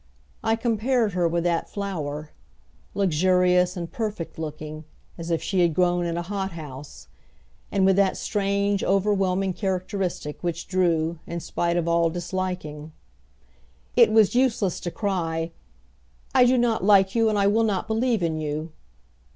I compared her with that flower luxurious and perfect looking, as if she had grown in a hothouse; and with that strange overwhelming characteristic which drew, in spite of all disliking. It was useless to cry, "I do not like you and I will not believe in you."